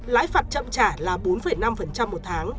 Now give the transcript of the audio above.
lãi phạt chậm trả là bốn năm một tháng